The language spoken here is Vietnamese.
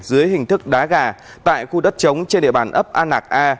dưới hình thức đá gà tại khu đất trống trên địa bàn ấp an lạc a